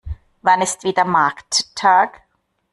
Wann ist wieder Markttag?